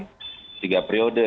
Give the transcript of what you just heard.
wajahnya tiga periode